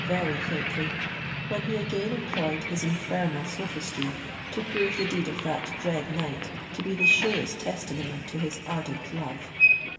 very faintly—when he again employed his infernal sophistry to prove the deed of that dread night to be the surest testimony to his ardent love.